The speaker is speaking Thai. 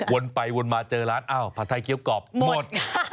วนไปวนมาเจอร้านอ้าวผัดไทยเคี้ยวกรอบหมด